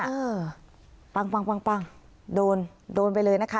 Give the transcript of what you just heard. เออปังปังปังปังโดนโดนไปเลยนะคะ